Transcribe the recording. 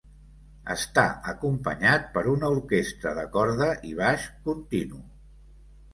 Està acompanyat per una orquestra de corda i baix continu.